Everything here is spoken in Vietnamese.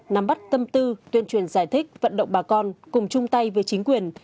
nắm bắt tâm tư tuyên truyền giải thích vận động bà con cùng chung tay với chính quyền